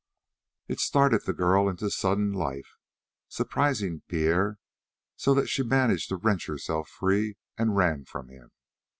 It started the girl into sudden life, surprising Pierre, so that she managed to wrench herself free and ran from him.